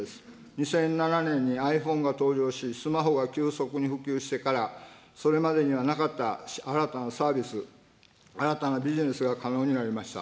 ２００７年にｉＰｈｏｎｅが登場し、スマホが急速に普及してから、それまでにはなかった新たなサービス、新たなビジネスが可能になりました。